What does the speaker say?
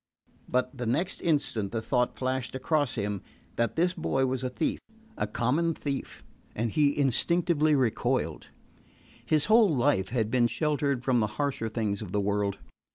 But the next instant the thought flashed across him that this boy was a thief, a common thief; and he instinctively recoiled. His whole life had been sheltered from the harsher things of the world.